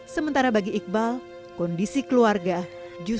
sementara bagi iqbal kondisi keluarga dia sudah berhasil berubah